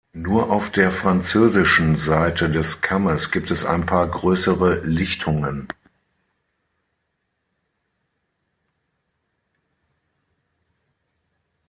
Nur auf der französischen Seite des Kammes gibt es ein paar grössere Lichtungen.